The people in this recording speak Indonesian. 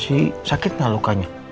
masih sakit gak lukanya